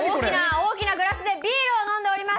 大きなグラスでビールを飲んでおります。